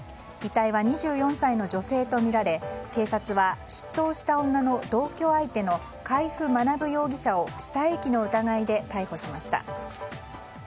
遺体は２４歳の女性とみられ警察は出頭した女の同居相手の海部学容疑者を死体遺棄の疑いで逮捕しました。